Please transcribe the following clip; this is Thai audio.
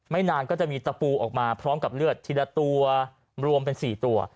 นานก็จะมีตะปูออกมาพร้อมกับเลือดทีละตัวรวมเป็น๔ตัว